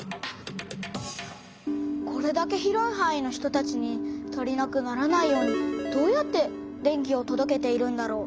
これだけ広いはんいの人たちに足りなくならないようにどうやって電気をとどけているんだろう？